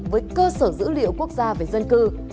với cơ sở dữ liệu quốc gia về dân cư